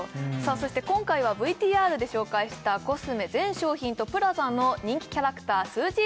そして今回はＶＴＲで紹介したコスメ全商品とＰＬＡＺＡの人気キャラクターＳｕｚｙ